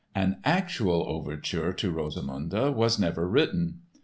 An actual overture to Rosamunde was never written.